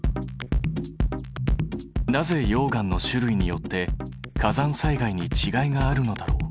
なぜ溶岩の種類によって火山災害にちがいがあるのだろう？